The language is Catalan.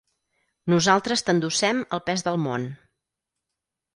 Nosaltres t'endossem el pes del món.